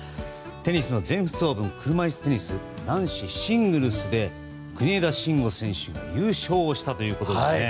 テニスの全仏オープン車いすテニス男子シングルスで国枝慎吾選手が優勝したということですね。